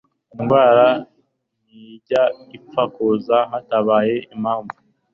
Indwara ntijya ipfa kuza hatabaye impamvu